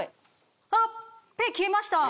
あっ「ペ」消えました！